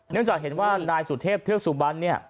เนื่องจากเห็นว่านายสุเทพธุรกสุบัน